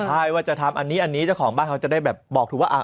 ใช่ว่าจะทำอันนี้อันนี้เจ้าของบ้านเขาจะได้แบบบอกถูกว่า